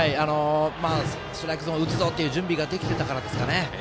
ストライクゾーンを打つぞという準備ができていたからですね。